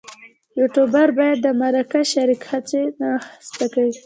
یوټوبر باید د مرکه شریک هڅوي نه سپکوي.